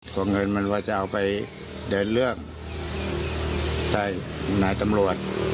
เพราะเงินมันว่าจะเอาไปเดินเรื่องใช่ของนายตำรวจ